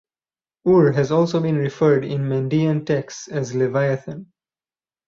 Ur has also been referred in Mandaean texts as Leviathan.